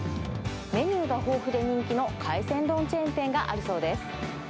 メニューが豊富で人気の海鮮丼チェーン店があるそうです。